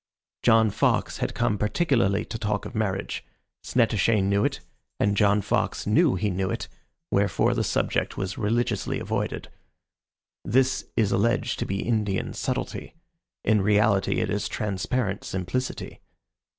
John Fox had come particularly to talk of marriage; Snettishane knew it, and John Fox knew he knew it, wherefore the subject was religiously avoided. This is alleged to be Indian subtlety. In reality it is transparent simplicity.